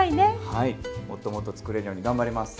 はいもっともっと作れるように頑張ります。